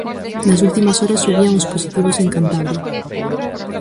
Nas últimas horas subían os positivos en Cantabria.